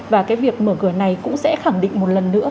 và cái việc mở cửa này cũng sẽ khẳng định một lần nữa